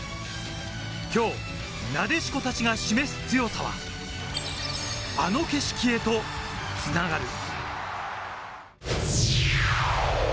今日なでしこ達が示す強さはあの景色へとつながる。